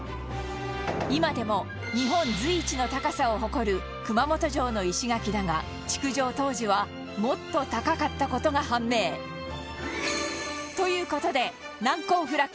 今でも、日本随一の高さを誇る熊本城の石垣だが築城当時はもっと高かった事が判明という事で、難攻不落！